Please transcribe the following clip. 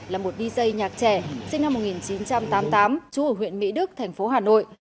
là một dj nhạc trẻ sinh năm một nghìn chín trăm tám mươi tám trú ở huyện mỹ đức thành phố hà nội